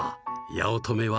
八乙女は？